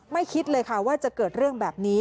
คิดเลยค่ะว่าจะเกิดเรื่องแบบนี้